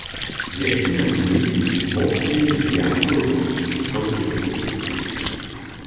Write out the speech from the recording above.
Wjetšina z nich wobsteji z wjacorych poddypkow.